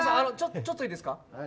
ちょっといいですか。